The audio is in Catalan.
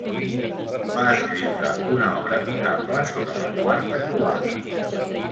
Va escriure una obra notable sobre la quarta Croada.